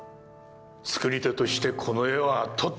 作り手としてこの絵は撮ってみたい。